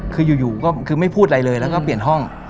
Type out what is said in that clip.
คืออยู่ก็คือไม่พูดอะไรเลยแล้วก็เปลี่ยนห้อง